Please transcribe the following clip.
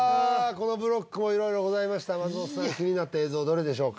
このブロックも色々ございました松本さん気になった映像どれでしょうか？